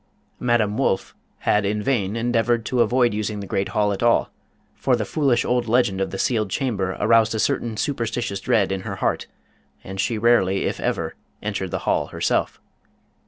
Madame Wolff had in vain endeavored to avoid using the great hall at all, for the foolish old legend of the sealed chamber 271 Scandinavian Mystery Stories aroused a certain superstitious dread in her heart, and she rarely if ever entered the hall herself.